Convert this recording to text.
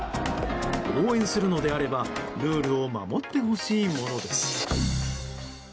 応援するのであればルールを守ってほしいものです。